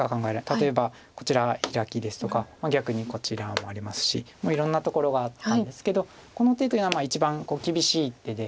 例えばこちらヒラキですとか逆にこちらもありますしいろんなところがあったんですけどこの手というのは一番厳しい手で。